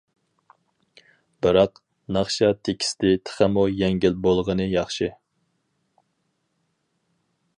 بىراق، ناخشا تېكىستى تېخىمۇ يەڭگىل بولغىنى ياخشى.